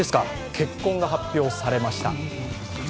結婚が発表されました。